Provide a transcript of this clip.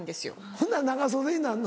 ほんなら長袖になんの？